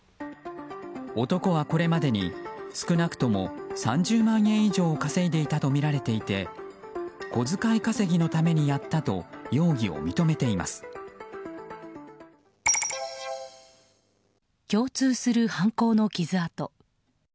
男はこれまでに少なくとも３０万円以上を稼いでいたとみられていて小遣い稼ぎのためにやったと容疑を認めています。